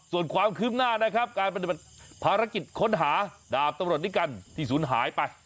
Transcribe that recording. ส่วนความคืมหน้าการบริบัติภารกิจค้นหาดาบตำรวจนี่กันที่สูญหายไป